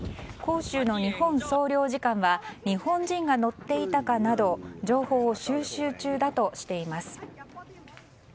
広州の日本総領事館は日本人が乗っていたかなど情報を収集中だとしています。